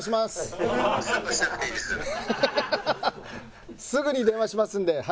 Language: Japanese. すぐに電話しますんで。